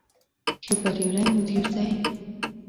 ښه بریالی مدیر دی.